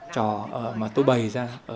trò mà tôi bày ra